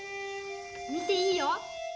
見ていいよ。